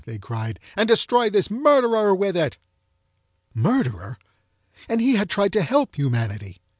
they cried. "And destroy this MURDERER with it!" Murderer! And he had tried to help humanity.